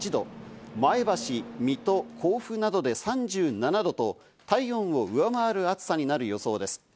前橋、水戸、甲府などで３７度と体温を上回る暑さになる予想です。